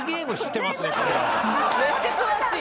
めっちゃ詳しい。